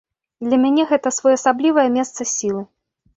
Для мяне гэта своеасаблівае месца сілы.